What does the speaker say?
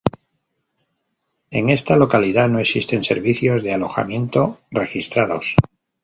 En esta localidad no existen servicios de alojamiento registrados.